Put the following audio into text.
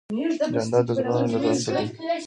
جانداد د زړونو ګټونکی دی.